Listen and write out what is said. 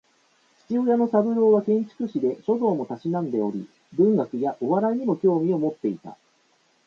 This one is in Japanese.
父親の三郎は建築士で、書道も嗜んでおり文学やお笑いにも興味を持っていた